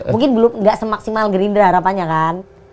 mungkin belum nggak semaksimal gerindra harapannya kan